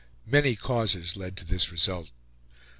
Many causes led to this result.